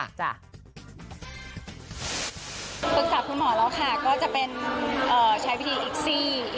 ปรึกษาคุณหมอแล้วค่ะก็จะเป็นใช้วิธีเอ็กซี่